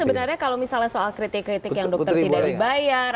sebenarnya kalau misalnya soal kritik kritik yang dokter tidak dibayar